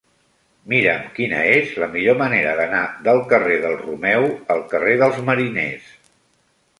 Mira'm quina és la millor manera d'anar del carrer del Romeu al carrer dels Mariners.